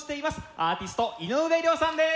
アーティスト井上涼さんです。